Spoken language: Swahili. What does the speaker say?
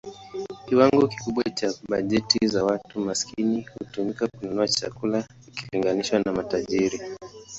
Kiwango kikubwa cha bajeti za watu maskini hutumika kununua chakula ikilinganishwa na matajiri.